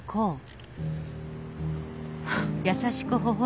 フッ。